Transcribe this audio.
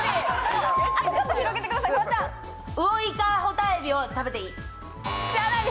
ピンポンウオイカホタエビを食べていい。